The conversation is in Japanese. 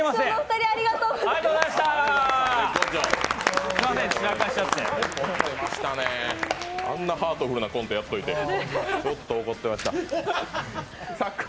あんなハートフルなコントやっておいて、ちょっと怒ってました。